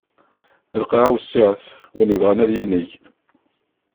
Lqaɛa wessiɛet win yebɣan ad yinig.